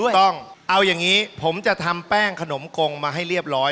ต้องเอาอย่างนี้ผมจะทำแป้งขนมกงมาให้เรียบร้อย